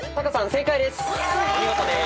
正解です。